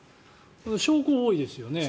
証拠が多いですよね。